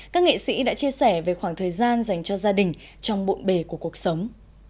các nghệ sĩ đã chia sẻ về khoảng thời gian dành cho gia đình trong bộn bề của cuộc sống